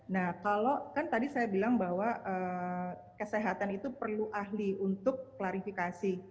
nah kalau kan tadi saya bilang bahwa kesehatan itu perlu ahli untuk klarifikasi